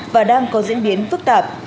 và đang có diễn biến phức tạp